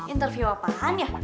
interview apaan ya